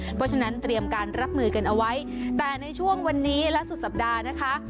เพราะฉะนั้นเตรียมการรับมือกันเอาไว้แต่ในช่วงวันนี้และสุดสัปดาห์นะคะ